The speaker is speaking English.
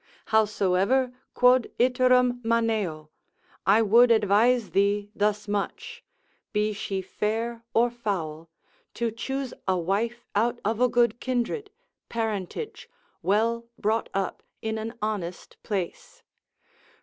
Howsoever, quod iterum maneo, I would advise thee thus much, be she fair or foul, to choose a wife out of a good kindred, parentage, well brought up, in an honest place.